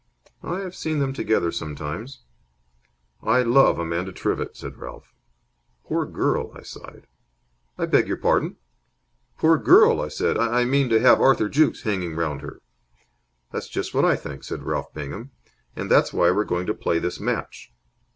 "I have seen them together sometimes." "I love Amanda Trivett!" said Ralph. "Poor girl!" I sighed. "I beg your pardon?" "Poor girl!" I said. "I mean, to have Arthur Jukes hanging round her." "That's just what I think," said Ralph Bingham. "And that's why we're going to play this match."